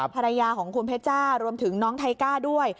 ภรรยาของคุณเพชจ้ารวมถึงน้องไทก้าด้วย